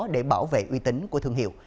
để bảo vệ uy tín của thương hiệu